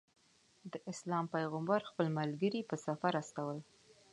د اسلام پیغمبر خپل ملګري په سفر استول.